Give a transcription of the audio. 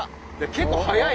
結構速い。